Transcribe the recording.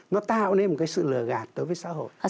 nó tạo nên một cái sự lừa gạt đối với xã hội